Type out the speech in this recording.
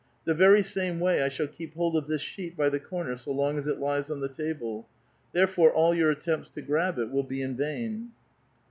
The very same way I shall keep hold of this sheet by the corner so long as it lies on the table. There fore, all your attempts to grab it will be in vain."